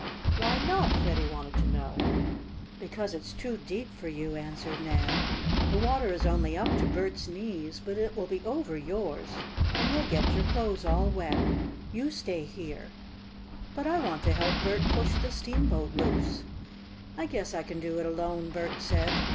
"Why not?" Freddie wanted to know. "Because it's too deep for you," answered Nan. "The water is only up to Bert's knees, but it will be over yours, and you'll get your clothes all wet. You stay here!" "But I want to help Bert push the steamboat loose!" "I guess I can do it alone," Bert said.